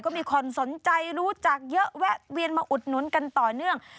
ก็มีคนสนใจรู้จักเยอะแวะเวียนมาอุดหนุนกันต่อเนื่อง